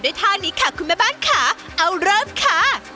ด้วยท่านี้ค่ะคุณแม่บ้านค่ะ